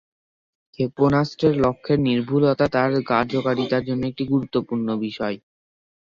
ক্ষেপণাস্ত্রের লক্ষ্যের নির্ভুলতা তার কার্যকারিতার জন্য একটি গুরুত্বপূর্ণ বিষয়।